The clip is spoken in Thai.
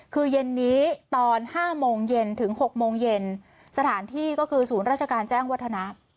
คือเย็นนี้ตอน๕โมงเย็นถึง๖โมงเย็นสถานที่ก็คือศูนย์ราชการแจ้งวัฒนะ